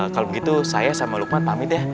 kalau begitu saya sama lukman pamit ya